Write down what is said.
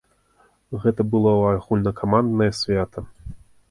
Гэта было агульнакаманднае свята.